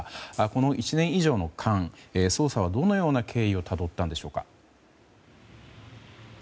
この１年以上の間捜査はどのような経緯をたどったんでしょうか。